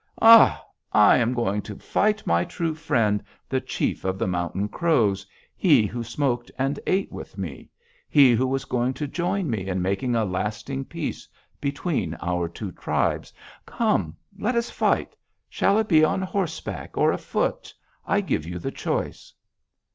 Ha! I am going to fight my true friend, the chief of the Mountain Crows, he who smoked and ate with me, he who was going to join me in making a lasting peace between our two tribes. Come! Let us fight! Shall it be on horseback or afoot? I give you the choice.'